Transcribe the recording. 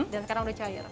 dan sekarang sudah cair